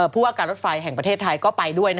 ผู้ว่าการรถไฟแห่งประเทศไทยก็ไปด้วย